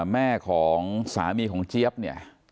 แม่ของสามีของเจี๊ยบเนี่ย